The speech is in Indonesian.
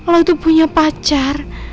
lo itu punya pacar